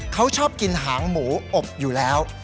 เขาชอบกินหางหมูอบอยู่แล้ว